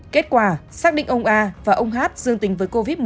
kết quả xác định ông a và ông h dương tính với covid một mươi chín